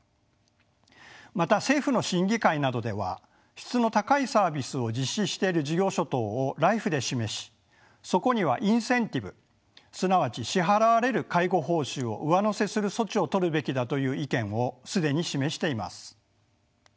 また政府の審議会などでは質の高いサービスを実施している事業所等をＬＩＦＥで示しそこにはインセンティブすなわち支払われる介護報酬を上乗せする措置を取るべきだという意見を既に示しています。